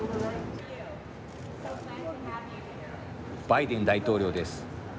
バイデン大統領です。